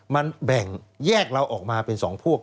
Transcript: มันแบ่งแยกเราออกมาเป็น๒พวก